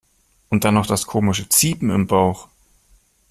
Und dann noch das komische Ziepen im Bauch.